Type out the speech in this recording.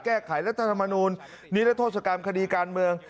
แก้ไขรัฐธรรมนูญนี้และโทษกรรมคดีการเมือง